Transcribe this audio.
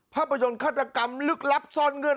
ภาพยนตร์ฆาตกรรมลึกลับซ่อนเงื่อน